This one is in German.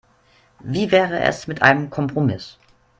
Wie wäre es mit einem Kompromiss?